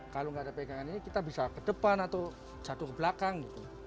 kalau nggak ada pegangan ini kita bisa ke depan atau jatuh ke belakang gitu